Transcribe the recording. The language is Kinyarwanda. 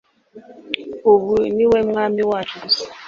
ubu ni we mwami wacu gusa